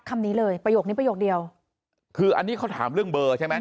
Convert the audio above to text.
คำนี้เลยประโยคนี้ประโยคเดียวคืออันนี้เขาถามเรื่องเบอร์ใช่ไหม